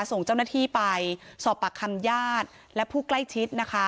ส่งเจ้าหน้าที่ไปสอบปากคำญาติและผู้ใกล้ชิดนะคะ